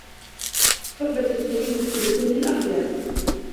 صحبة السوء مفسدة للأخلاق